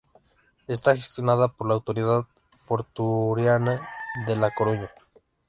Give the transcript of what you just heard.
Está gestionada por la autoridad portuaria de La Coruña.